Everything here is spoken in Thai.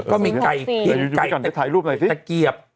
ก็มีไก่ตะเกียบ